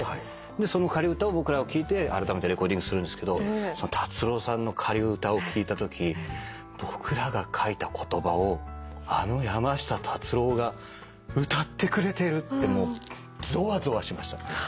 でその仮歌を僕らは聴いてあらためてレコーディングするんですけど達郎さんの仮歌を聴いたとき僕らが書いた言葉をあの山下達郎が歌ってくれてるってもうぞわぞわしました。